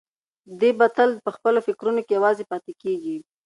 دی به تل په خپلو فکرونو کې یوازې پاتې کېږي.